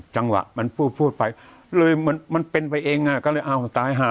จังหวะมันพูดพูดไปเลยมันเป็นไปเองอ่ะก็เลยอ้าวตายหา